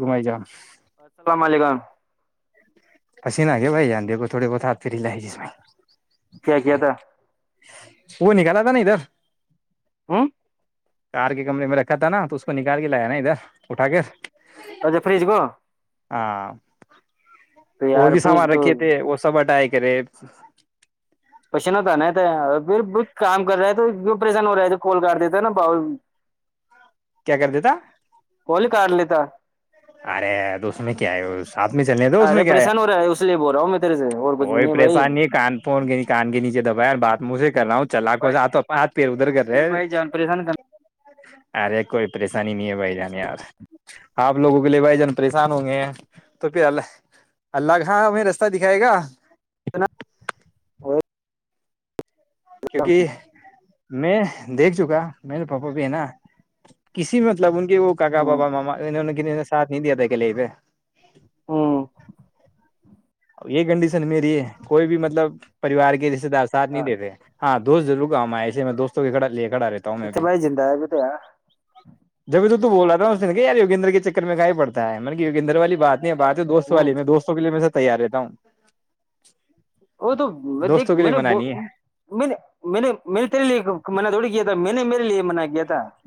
گمائی جا [unintelligible] السلام علیکم [unintelligible] پسیینہ گ بھائی دے کو تھوڑے بہت ہاتھ پھر ہ ل ہے جس میں کیا کیا تھا [unintelligible] وہ نکال تھا نا ادھر [unintelligible] ہوں [unintelligible] کار کے کمرے میں رکھا تھا نا تو اس کو نکال کے لایا نا ادھر اٹھا کے اچھا فریج کو ہاں [unintelligible] تو اور یار بھی فریج سامان تو رکھے تھے وہ سب ہٹائے گ کریب [unintelligible] پشن ہوتا نہیں تھا پھر کام کر رہے ہے تو پریشان ہو رہا ہے تو کوول کاٹ دیتا نا باؤ کیا کر دیتا کول کار لیتا [unintelligible] ارے ار تو اس میں کیا ہے ساتھ میں چلنے دو اس ارے میں کیا پریشان ہو رہا ہے اس لیے بول رہا ہوں میں تیرے سے اور کچھ بھی کوئی بھائی پریشانی نہیں ہے کان فون کان کے نیچے دبایاار بات مجے کہ کر رہاوں [unintelligible] چلا کوو ج آ بھائی تو پ [unintelligible] پھر ادھر کر رہے ہے بھائی جان پریشان کرنا [unintelligible] ارے کوئی پریشانی نہیں ہے بھائی جان یار آپ لوگوں کے لیے بھائی جان پریشان ہوں گے ہیں تو پھر اللہ اللہ کا ہاں ہمیں رستہ دکھائے گا [inaudible] نا اور [unintelligible] کیونکہ میں [unintelligible] دیکھ چکا میرے پاپا بھی ہے نا کسی مطلب ان کے وہ کاکا بابا ماما ان ساتھ نہیں دیا تھا اکلے پہ [unintelligible] ہوں یہ کنڈیشن میری ہے کوئی بھی مطلب پریوار کے د ساتھ نہیں دے رہے ہاں دوست ضر گا ہم میں ایسے میں دوستوں ک لے کھا رہتا [unintelligible] ایکت بائی جند ہے بت آ جبھی تو تو بول رہا تھا اس نے کہ یگینر کے چکر میں کہ ہی پڑتا ہے مطب یوگدر والی بات [unintelligible] نہیں بات ہے دوستوں ہ والی میں دوستوں کےے مے سے [unintelligible] تیار رہتا ہوں [unintelligible] وہ تو دیک دوستوں کے میں لیے نے منع نہیں ہے نے نے تے لے م تھڑی کیا تھا میں نے مے لیے من گیا تھا [unintelligible]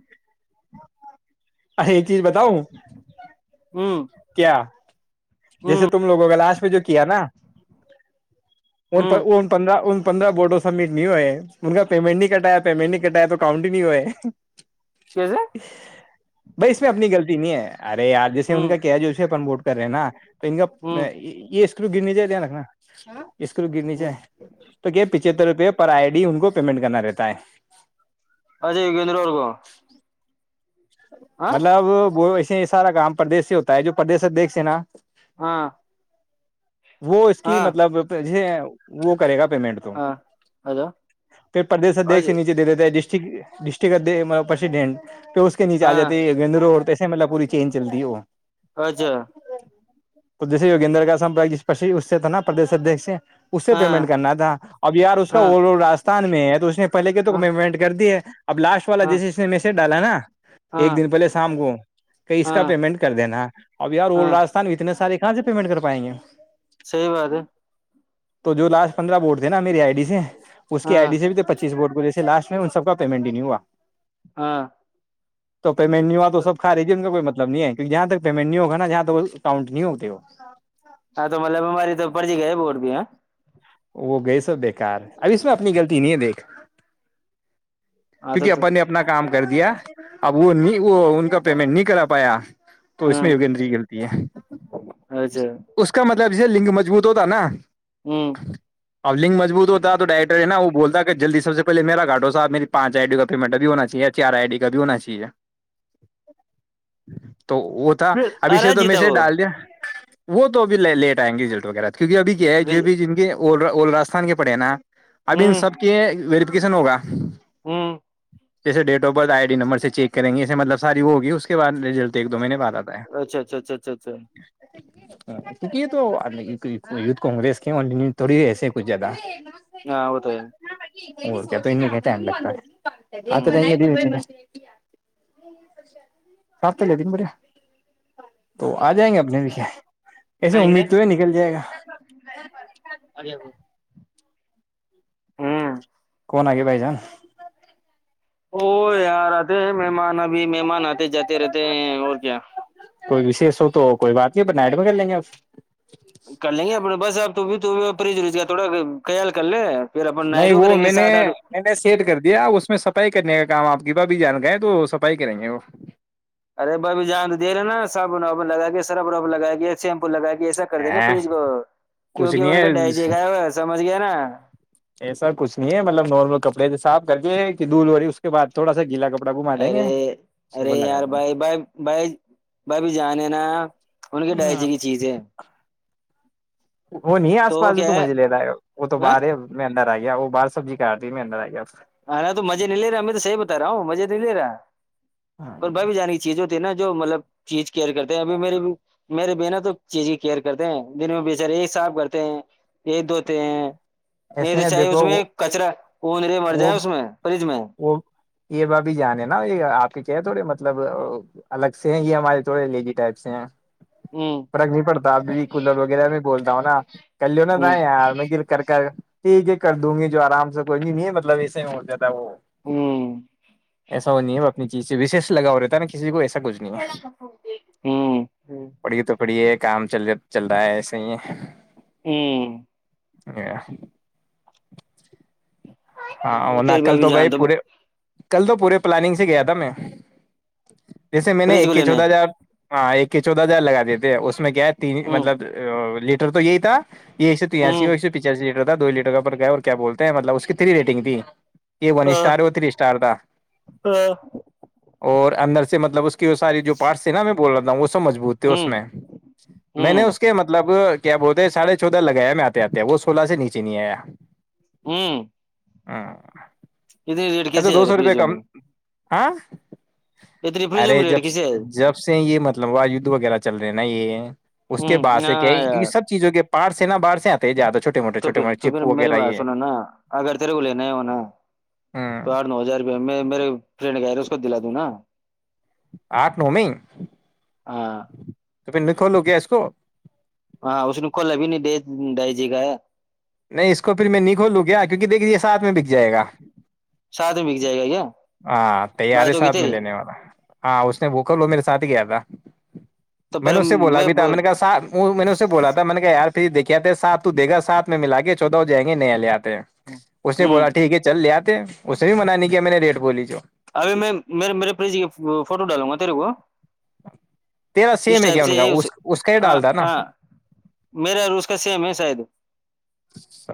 ا [unintelligible] چیز بتاؤ ہ کیا ہ جیسے تم لوگوں کا لاسٹ [unintelligible] جو کیا نا [unintelligible] ہ ا پندہ پندرہ بورڈو سبمٹ نہیں ہوئے ان کا پیمنٹ نہیں کٹایا پیمنٹ نہیں کٹایا تو کاؤنٹ ہی نہیں ہوئے ہے [unintelligible] کیسے [unintelligible] بھائی اس میں اپنی غلط نہیں ہے ارے ار جیسے ان ہ کا کیا جوسے اپن ووٹ کریں نا ہ میں یہ [unintelligible] اسکرو گرنییچے ہ تو کیا پچھ چتر روپئے پر آئی ڈی ان کو پیمنٹ کرنا رہتا ہے اجےکندروور کو مطلب وہ ایسے یہ سارا کام پردی سے ہوتا ہے جو پردیش دھ سے نا وہ اس کی مطلب وہ کرے گا پیمنٹ تو پھر پردیش ادیک سے نیچے دے دیتے ہیں جس ڈسٹ پرڈنٹ تو نیچ آ جاتے ایکینر اڑتے اس ملب پوری چینج چل رہ ہے وہ اچھا تو جسے یگیندر کا سمر اس سے تھا نا پردش ادھی سے اس سے پیمنٹ کرنا تھا اب یار اس کا اول راستہ نہیں میں تو اس نے پہے کے توک میںمینٹ کر دی ہے اب لاسٹ والا جیسے اس نے میسج ڈالا نا ایک دن پہلے شام کو کہ اس کا پیمنٹ کر دینا اب یار اولڈ راستھان بھیتر سارے کہاں سے پیمنٹ کر پائیں گے صحیح بات ہے تو جو لاسٹ پندرہ بورٹ تھے نا میری آئی ڈی سے اس کی ہاں ایڈی سے بھی تو پچیس بورٹ جیسے لاسٹ میں ان سب کا پیمنٹ نہیں نہیں ہوا ہاں تو مینیو آ تو سب کھ رہی گ کو مطلب نہیں ہے کیکہ جہاں تک پیمنٹ نہیں ہوگ نا جہاں تک وہ اکاؤنٹ نہیں ہوتے وہ ہاں تو مطلب ہماری تو پڑ ج گئے بٹ بھی ہے وہ گئے سب بےیکار اب اس میں اپنی غلطی نہیں ہے دیکھ ہاں تو کیونکہ اپن نے اپنا کام کر دیا اب وہ نہیں وہ ان کا پیمنٹ نہیں کرا پایا تو اس میں ہوں یوگیندری گلتی ہے اچھا اس کا مطلب یہ لنگ مضبوط تو تھا نا ہوں النگ مجبوت ہوتا تو ڈائرٹر ہے نا وہ بولتا جلدیب سے پہ ما گاڈواحبیری پانچ آئی ڈی کا پیمنٹ بھی ہونا چاہیے چار آئی ڈی کا بھی ہونا چاہیے تو وہ تھا پھر ابھی سے ارے تو میں جیتا سے وہ ڈال دیا وہ تو ا بھی لیٹ آئ گے رزلٹ وغیرہ کیونکہ اب کیا ہے یہ بھی ہوں جن کے اول اول راستھان کے پڑے ہیں نا اب ان سب کے کسن ہوگا ہوں جیسے date of birth I D number سے چیک کریں گے اسے مطلب ساری وہ ہوگی اس کے بع ریلٹ ایک دو میںہ نے بات ج ہے اچھا اچھا اچھا اچھا اچھا کیک تو یوھ کانگریس کے تھوڑی ایسے کچھ زیادہ ہاں ہوت ہے او کیا تو ان نہیں کٹ لر آ تو ہوں سپ تلیا دن برییا کا ایسے کر رہے امید تو ہے نکل جائے گا اے کون آ گے بائی جا او یار اتے مہمان ابھی مہمان آتے جاتے رہتے ہیں اور کیا کوئی وشیش ہو تو کوئی بات نہیں اپ نائڈ میں کر لیں گے آپ کر لیں گے اپنے بس آپ تو بھی تو تھوڑا خیال کر لے پھر اپن نائٹ نہیں کو وہ کریں گے میں نے سات آٹھ میں نے سیٹ کر دیا اس میں صفائی کرنے کا کام آپ کی بھ بھیھی جان گ ہے تو صفائی کریں گے وہ ارے با بھی جان دے رہے نا صابن وابن لگا کے سرف ورف لگا کے سیمپو لگا کے ایسا کر دیں گے ا فریج کو کچھ کیونکہ نہیں ان ہے کا ڈائجے گا ہے سمجھ گیا نا ایسا کچھ نہیں ہے مطلب نارمل کپڑے کے ساب دی ہیں کہ دھ بوری اس کے بع تھوڑا سا گیلا کا ارے ارے یار بھائی بھائی بھائی بھائی بھی جانے نا ان کے گے ہ ڈرجے کی چیز ہے وہ نہیں ہے آس پاس جو کیا تو ہے مجھے لے رہا وہ تو باہر ہے انر آئییا باہر سبزی کاٹ دیی میں اندر آئییا ہ ن تو مزے نہیں لے رہا میں تو صحی بتا رہا ہوں مزے تو نہیں ل رہا اور ب ہاں بھی جانانی چاہیے جو نا جو مطلب چیز کیئر کرتے ہیں ابھی میرے میرے بناا تو چیز کی کیئر کرتے ہیں دن میں بچر ایک صاب کرتے ہیں ایک دھوتے ہیں نہیں ایسے تو ہیں چاہی اس دیکھو وہ میں کچرا ارے مر وہ جائے اس میں پج وہ یہ ب بھی جان ہے نا یہ آپ کے چے تھوڑے م مطلب الگ سے ہیں یہ ہمارے تھوڑے لیجی ٹائپ سے ہیں ہ فرق نہیں پڑتا ابھی کولر وغیرہ میں بولتا ہوں نا کل لو نا ہ تھا یار میں گ کر کر ٹھیک ہے کر دوں گی جو آرام سے کوئی بھی نہیں ہے مطلب ایسے میں ہو جات ہے وہ ہوں ایسا وہ نہیں ہے اپنی چیز سے وشیش لگا رہتا نا کسی کو ایسا کچھ نہیں ہے ہوں ہ پڑھیے تو پڑھیے کام چل چل رہا ہے ایسے ہی ہے ہوں ا [unintelligible] ہاں تیری نقل بھابھی تو بھائی جان پورے کل تو پورے پلاننگ سے گیا تھا میں جیسے میں نے فریج ایک کو کے لینے چودہ ہزار ہاں ایک کے چودہ ہزار لگا دیتے میں کیا ہے تین ہوں مطلب لیٹر [unintelligible] ٹر تو یہ تھا [unintelligible] یہس تو یہیا س ہوں ہو پچا س [unintelligible] تھا دو لیٹر کا پر گئے اور کیا بولتے ہیں مطلب اس کی تری ریٹگ ت [unintelligible] یہ ون ہوں اسٹار اور تھری اسٹار کا اور اندر سے مطلب اس [unintelligible] وہ ساری جو پار س نا میں بول رہا تھا [unintelligible] ن [unintelligible] سو مضبوط ہو اس ہوں میں میں نے اس ہوں کے مطلب [unintelligible] کیا بولتے ہیں سڑھے چودہ لگایا میں آتے آتے ہیں وہ سولہ سے نیچے نہیں آیا [unintelligible] ہوں [unintelligible] ہ [unintelligible] اتنے ریٹ کیسے ہے رے فجی میں آاں [unintelligible] اتنی فریجوں ارے میں جب ریٹ کیسے ہے جب سے یہ مطلب مطلب وہ یدھ وغیرہ چل رہے نا یہ [unintelligible] اس ہ کے بعد سے کیا ہاں کیکہ یار سب چیزوں کے پار سے نہ بادرشیا سے زیاد [unintelligible] تو پھر تو پھر میری بات سنو نا اگر تیرے کو لنے ہے ہوناا س ہوں آٹھ نو ہزار روپ میں میرے ف [unintelligible] گ ر اس کو دلا ت نا [unintelligible] آٹھ نو م [unintelligible] ہاں [unintelligible] تو پھر میں کھولو گیا اس کو ہاں اس نے کول ابھی نہیں ڈے ڈائ جے کاا ہے نہیں اس کو پھر میں نہیں کھولوں گ کیونکہ دیکھجے ساتھ میں بک جائے گا ساتھ میں بک جائے گا کیا ہاں تیار ہے بات ہوگی ساتھ میں تیری لینے والا ہاں اس نے بوکل وہ میرے ساتھ ہی کیایا تھا تو میں نے پھر اسے بولا بھی تھا میں نے کہ سا میں نے اسے بولا تھا میں نے کہا یار پھر دیکے تھے ساپ تو دیکا صاح [unintelligible] ملا کے چودہ ہو جیں گے نیال آت [unintelligible] اس نے ہوں بولا ٹھیک ہے چل لیا آپ [unintelligible] اس نے بھی منانی کہ میں نے ریٹ بولی جو [unintelligible] ابھی میں میرے پری جی کی فوٹو ڈالوں گا تیرے کو تیرا اس سیم ہے ٹائپ کیا سے ان کا یہ اس اس کا ہی ہ ڈالتا نا ہاں میرا اور اس کا سیم ہے شاید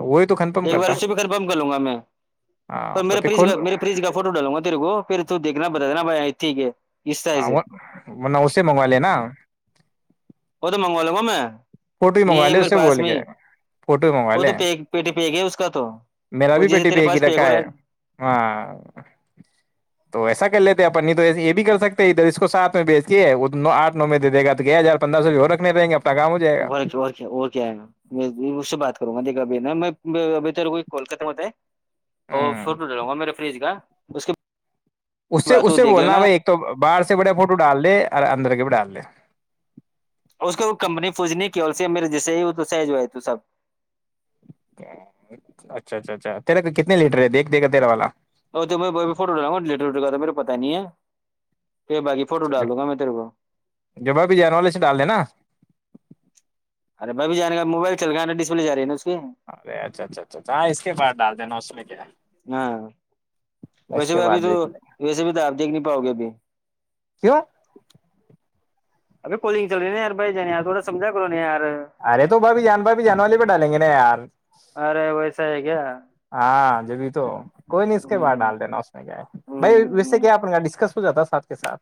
وہی تو کنفرم ایک بار کرتا اس سے بھی کنفم کر لوں گا میں ہاں پر تو میرے پھر فریج کھول کا میرے فریج کا فوٹو ڈالوں گا [unintelligible] کو پھر تو دھنا بتا دینا بت ہی کے نوے منگوا لے نا مگوا لوں گا میں فوٹو ہی منگوا یہ لے اس میرے سے پاس بول کے میں فوٹو ہی منگوا وہ لے تو پیٹ پیگ ہے اس کا تو میرا وہ بھی جیسے پیٹی پہ تیرے ایک ہی پاس پیگ ہو رکھا رہا ہے ہاں تو ایسا کر لیتے اپنی تو یہ بھی کر سکتے ادھر اس تو سات میں بیچ کے نو آٹ نو میں دے د گا تو کیا ہزار پندرہ سو بھی اور رکھنے رہیں گے اپنا کام ہو جائے گا وکے اس سے بات کروں گا دیک کو کولکاتہ میں اور ہوں فا میرے فریج کا اس کے اس سے بات اس تو سے دیکھ بولنا لینا بھائی ایک تو باہر سے بڑے فوٹو ڈال دے اور اندر کے اا لے اس کو کمپنی پوجنی کی سے میرے جسے ہی تو سہ جو ہے تو سب اچھا اچھا اچھا تیرا کا کتنے لیٹر ہے دیکھ دے گا تیرا والا اور تو میں فوٹو ڈٹا گا لیٹر وٹرا تو میرا پتا نہیں ہے پھر باقی فوٹو ج ڈال دوں گا میں تیرے کو جبا بھی جان والے سے ڈال دینا ار بھ بھی جانےا موبائل چل گ نا ڈسپلے ج رہی ن ارے اچھا اچھا اچھا اچا ہاں اس کے بعد ڈال دینا اس میں کیا ہے ہاں اس ویسے کے بھی بعد ابھی تو د ل ویسے بھی تو آپ دیکھ نہیں پاؤ گے ابھی کیوں ابھی کوالنگ چل رہ نایار بائی جان یار تھوڑا سمجا کرو ن یار ارے تو بھابھی جان بھابھی جان والے پہ ڈالیں گے نا یار آار ویس ہے گ ہاں جب بھی تو کوئی نہیں اس کے باہر ہوں ڈال دینا اس میں کیا ہے ہوں بھائی ویسے ہ کیا اپ ڈسکس ہو جاتا سات کے سھ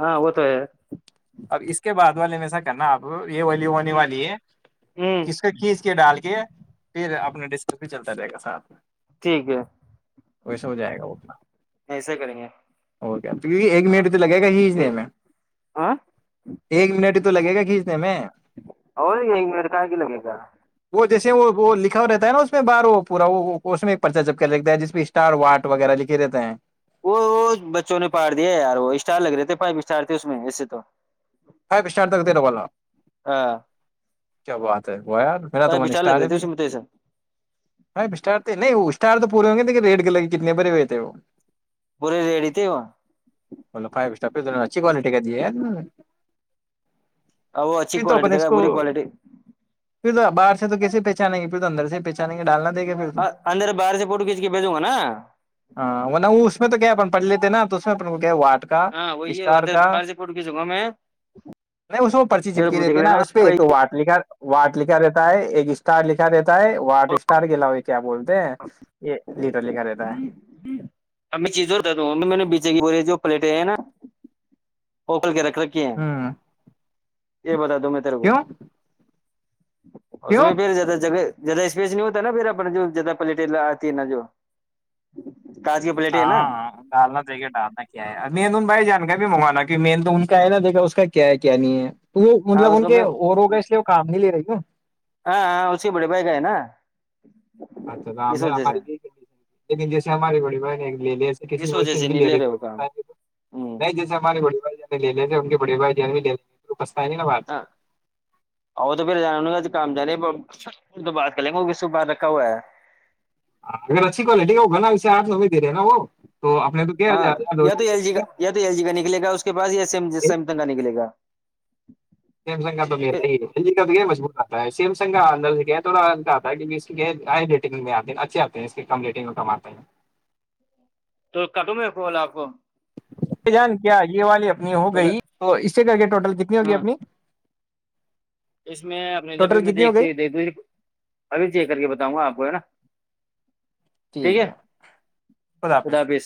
ہاں وہ تو ہے اب اس کے بعد والے میں ایسا کرنا آپ یہ ولی ہونے والی ہے ہ کس کا کی ڈال کے پھر اپنا ڈس بھی چلتا رہے گا سات میں ٹھیک ہے ویسا ہو جائے گا وہ اپنا ایسے کریں گے گ تو کیکہ ایک ہاں منٹ تو لگے گا پھر کھیچنے میں ہاں ایک منٹ تو لگے گ کہ اور میر کا گ ل بھا اور وہ جیسے وہ لکھا رہتا ہے نا اس میں بار وہ پورا وہ اس میں پرچا جب کر رکھتا ہے جس پ اسٹار واٹ وغیرہ لکھے رہتے ہیں وہ وہ بچوں نے پڑ دیا ہے یار وہ اسٹار لگ رہے تھے پائیٹار تھے اس میں ایسے تو فو اسٹار تک دیرا والا ہاں کیا بات ہے وہ یار میرا تو پائپ وہ اسٹار لگ رہے نسٹارے تھے بھی اس میں تو ایسا ہےٹارتے نہیں یر تو پورے ہوں گے لیکن ریٹ کے لے کتنے بھرے ہوئےتے ہیں وہ برے ریڈی تھے وہ فائی اسٹار پچھی کوالٹی کا جییات ن ا وہ اچھی کوالٹی د اس گا کو بری کوالٹی پھر تو باہر سے تو کیس پہچانیں گے پھر تو اندر سے پہچانیں گے ڈال تو د گ پھر تو اندر باہر سے فوٹو کھینچ کے بھیجوں گا نا ہاںن اس میں تو کیا پڑ لیتے نا تو اس میں اپ کو کیا وا ہاں وہی ہےدھر باہر سے پٹ کی ج گا میں نہیں اس وہ پرچی پھر چپکی دیکھ دیتے نا لینا اس پہ ایک تو واٹ لکھا وٹ لکھا دیتا ہے ایک اسٹار لکھا دیتا ہے وٹ اسٹار گلا ہو رہتا ہے اب چیزتا د ا میں نے بیچے کی بولے جو پلیٹیں نا ککل کے رکھ ک ہ یہ با میں تیر کو کیوں اس کیوں میں پر جاتا جگہ جیاد اسپیس نہیں ہوتا نا پھر اپنا جو جدہ پلیٹ آتی ن جوو ہاں ہ ڈالنا چاہ کہے ڈالنا کیا ہے اب میندون بھائی جانک بھی منگوانا مین تو ان کا ہے نا دیکھا اس کا کیا ہے کیا نہیں ہے تو وہ ہاں مطلب اس ان کا کے میں اور ہوگا اس لیے وہ کام نہیں لے رہی وہ ہاں ہاں اسی بڑے بائی گئے نا اچھا تو اس وجہ سے ہماری لیکن جیسے ہماری بڑی بھائی نے لے لیےے اس وجہ کسی سے بھی نہیں لے رہے ہو کام ہوں نہیں جیسے ہمارے بڑے بھائی ج نے لے لیے تھے ان کے بڑے بھائی ج بھی لے لے ہاں آؤ تو پھر جان گ کام جے بات کر لیں گ وہک صبح رکھا ہوا ہے ہ اگر اچھی کوالٹی ہو بنا آٹ سو دے رہے ہیں نا وہ تو آپ نے تو کیاار ہاں ہزار دو ہزار دے رہے بس یہسےس س تنگا نکل گا سیمسنگ کا تو میر تو گ م سیمسنگ کا اندر کیا تھوڑا کہتا ہے ریٹنگ میں آتے اچھے آتے ہیں اس کی کم ریٹنگ میں کم آتے ہیں تو کٹ ہے کولا آپ کو یہ جان کیا یہ والی اپنی ہو گئی تو اس سے کر کے ٹوٹل کتنی ہوگی ہاں اپنی اس میں اپ جب بھی ٹوٹل میں کتنی ہو دیکھ گئی دیکھ د ابھی چیک کر کے بتاؤں گا آپ کو ہے نا ٹھیک ہے خدا حافظ